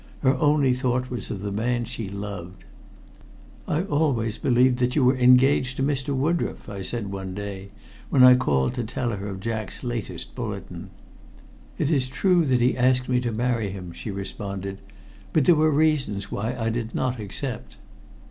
Her only thought was of the man she loved. "I always believed that you were engaged to Mr. Woodroffe," I said one day, when I called to tell her of Jack's latest bulletin. "It is true that he asked me to marry him," she responded. "But there were reasons why I did not accept."